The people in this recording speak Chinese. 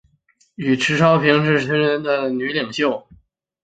与迟昭平都是当时有名的新朝民变女领袖。